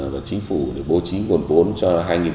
và chính phủ để bố trí nguồn vốn cho hai nghìn hai mươi